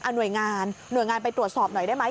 เอาหน่วยงานหน่วยงานไปตรวจสอบหน่อยได้ไหม